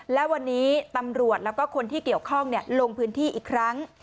และวันนี้ตำรวจแล้วก็คนที่เกี่ยวข้องลงพื้นที่อีกครั้ง